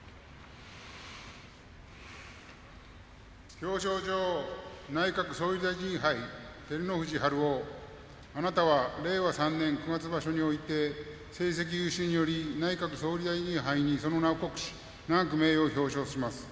表彰状内閣総理大臣杯照ノ富士春雄殿あなたは令和３年九月場所において成績優秀により内閣総理大臣杯にその名を刻し永く名誉を表彰します